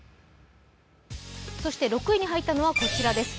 そして６位に入ったのはこちらです。